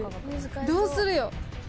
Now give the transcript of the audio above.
どうするよ。